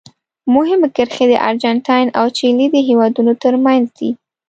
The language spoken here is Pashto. مهمې کرښې د ارجنټاین او چیلي د هېوادونو ترمنځ دي.